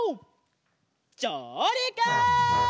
じょうりく！